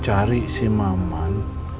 cari si maman